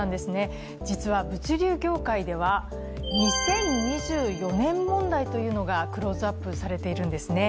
実は物流業界では２０２４年問題というのがクローズアップされているんですね。